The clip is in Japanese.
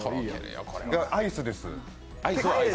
アイスです。